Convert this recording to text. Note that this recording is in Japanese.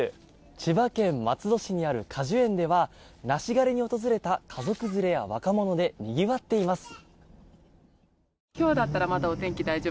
千葉県松戸市にある果樹園では梨狩りに訪れた家族連れや若者でにぎわっています。